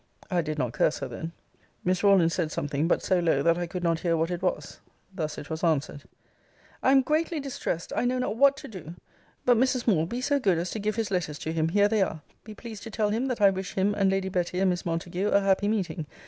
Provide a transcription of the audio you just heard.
I did not curse her then. Miss Rawlins said something; but so low that I could not hear what it was. Thus it was answered. Cl. I am greatly distressed! I know not what to do! But, Mrs. Moore, be so good as to give his letters to him here they are. Be pleased to tell him, that I wish him and Lady Betty and Miss Montague a happy meeting.